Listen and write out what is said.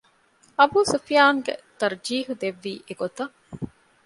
އަބޫސުފްޔާނު ތަރްޖީޙު ދެއްވީ އެގޮތަށް